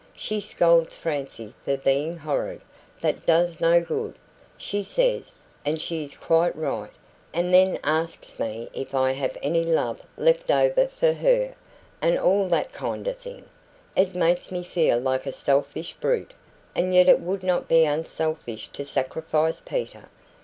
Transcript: She scolds Francie for being horrid that does no good, she says, and she is quite right and then asks me if I have any love left for her, and all that kind of thing. It makes me feel like a selfish brute; and yet it would not be unselfish to sacrifice Peter.